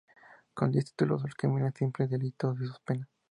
Con diez títulos, los crímenes, simples delitos y sus penas.